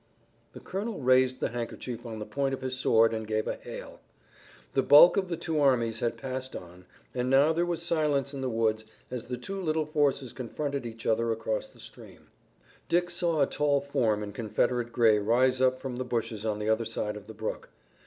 The Colonel raised the handkerchief on the point of his sword and gave a hail. The bulk of the two armies had passed on, and now there was silence in the woods as the two little forces confronted each other across the stream. Dick saw a tall form in Confederate gray rise up from the bushes on the other side of the brook.